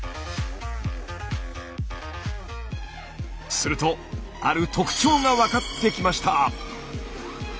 するとある特徴が分かってきました。